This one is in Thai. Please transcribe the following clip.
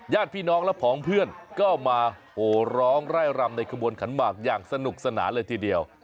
ญาติพี่น้องและผองเพื่อนก็มาโหร้องไร่รำในขบวนขันหมากอย่างสนุกสนานเลยทีเดียว